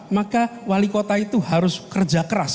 maka wali kota itu harus kerja keras